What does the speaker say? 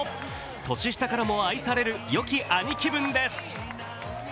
年下からも愛されるよき兄貴分です。